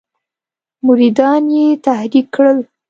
مریدان یې تحریک کړل.